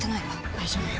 大丈夫よ。